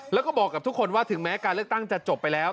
แล้วก็บอกกับทุกคนว่าถึงแม้การเลือกตั้งจะจบไปแล้ว